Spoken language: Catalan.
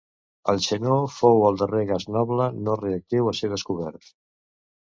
El xenó fou el darrer gas noble no radioactiu a ser descobert.